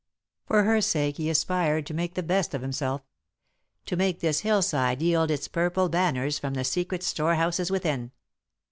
For her sake he aspired to make the best of himself; to make this hillside yield its purple banners from the secret storehouses within.